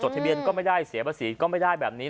ทะเบียนก็ไม่ได้เสียภาษีก็ไม่ได้แบบนี้